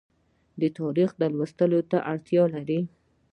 تاریخ لوستلو ته اړتیا لري